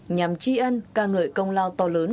nhằm tri ân ca ngợi công lao to lớn